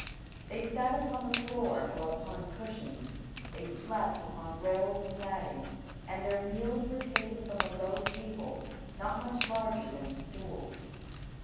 They sat upon the floor or upon cushions; they slept upon rolls of matting, and their meals were taken from a low table not much larger than a stool.